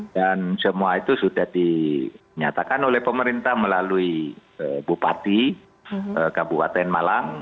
dan semua itu sudah dinyatakan oleh pemerintah melalui bupati kabupaten malang